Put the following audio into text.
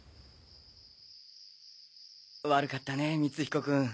悪かったね光彦君。